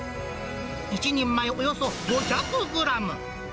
１人前およそ５００グラム。